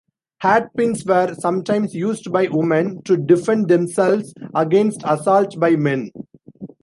Hatpins were sometimes used by women to defend themselves against assault by men.